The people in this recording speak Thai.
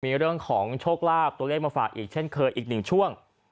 มีเรื่องของโชคลาภตัวเลขมาฝากอีกเช่นเคยอีกหนึ่งช่วง